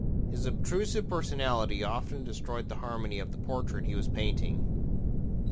His obtrusive personality often destroyed the harmony of the portrait he was painting.